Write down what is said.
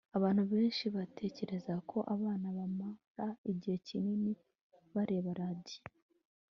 abantu benshi batekereza ko abana bamara igihe kinini bareba radiyo